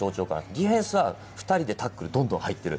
ディフェンスは２人でタックルどんどん入ってる。